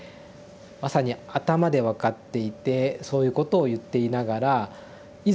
まさに頭で分かっていてそういうことを言っていながらいざ